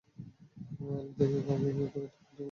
ভালো দেখে কাউকে বিয়ে করে তোকে ভুলে যেতে বলেছিলাম।